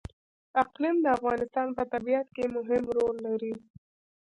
اقلیم د افغانستان په طبیعت کې مهم رول لري.